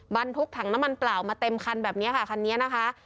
บรรทุกถังน้ำมันเปล่ามาเต็มคันแบบนี้ค่ะคันนี้นะคะ